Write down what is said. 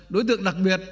đối tượng đặc biệt